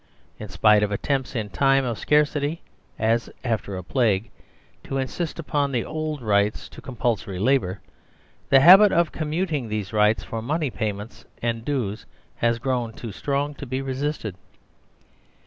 In spite of attempts in time of scarcity (as after a plague) to insist upon the old rights to compulsory labour, the habitof commutingthese rights for money payments and dues has grown too strong to be resisted.